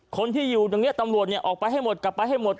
คนที่อยู่ตรงนี้ตำรวจออกไปให้หมดกลับไปให้หมด